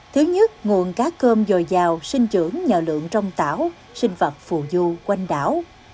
thứ nhất nguồn cá cơm dồi dào sinh trưởng nhờ lượng trong tảo sinh vật phù du quanh đảo